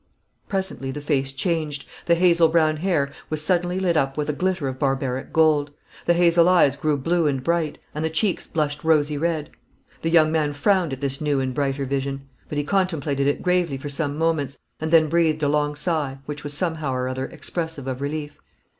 Presently the face changed. The hazel brown hair was suddenly lit up with a glitter of barbaric gold; the hazel eyes grew blue and bright; and the cheeks blushed rosy red. The young man frowned at this new and brighter vision; but he contemplated it gravely for some moments, and then breathed a long sigh, which was somehow or other expressive of relief.